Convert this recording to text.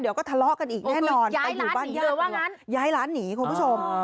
เดี๋ยวก็ทะเลาะกันอีกแน่นอนย้ายร้านหนีหรือว่างั้นย้ายร้านหนีคุณผู้ชม